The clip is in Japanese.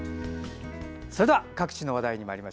それでは各地の話題です。